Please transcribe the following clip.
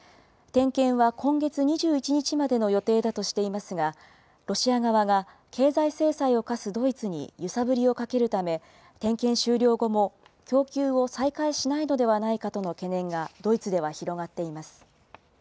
点検は今月２１日までの予定だとしていますが、ロシア側が経済制裁を科すドイツに揺さぶりをかけるため、点検終了後も、供給を再開しないのではないかとの懸念がドイツでは広がっています。